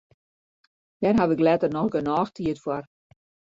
Dêr haw ik letter noch genôch tiid foar.